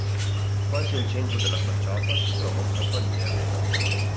Quasi al centro della facciata si trova un campanile a vela.